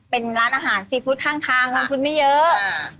เป็นร้านอาหารซีฟู้ดข้างทางลงทุนไม่เยอะ